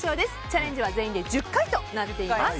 チャレンジは全員で１０回となっています。